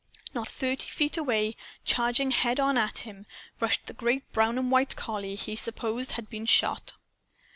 Not thirty feet away, charging head on at him, rushed the great brown and white collie he supposed had been shot.